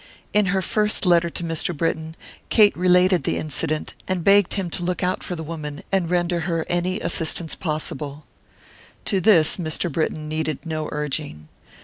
In her first letter to Mr. Britton Kate related the incident, and begged him to look out for the woman and render her any assistance possible. To this Mr. Britton needed no urging.